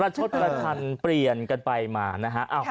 ชดประชันเปลี่ยนกันไปมานะฮะ